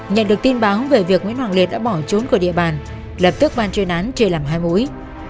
nhận được tin báo về việc nguyễn hoàng liệt đã bỏ trốn của địa bàn lập tức ban chuyên án chia làm hai mũi